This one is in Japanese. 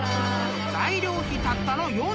［材料費たったの４３円］